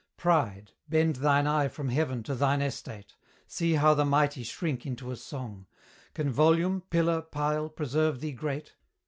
Pride! bend thine eye from heaven to thine estate, See how the mighty shrink into a song! Can volume, pillar, pile, preserve thee great?